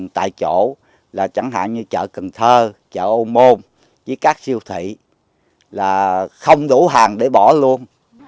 thơ chợ âu môn với các siêu thị là không đủ hàng để bỏ luôn